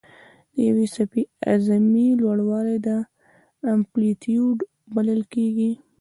د یوې څپې اعظمي لوړوالی امپلیتیوډ بلل کېږي.